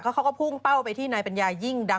เขาก็พุ่งเป้าไปที่นายปัญญายิ่งดัง